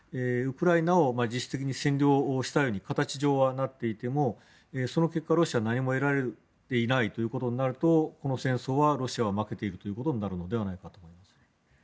ウクライナを実質的に占領したような形に形上はなっていてもその結果、ロシアは何も得られていないということになるとこの戦争はロシアは負けているということになると思います。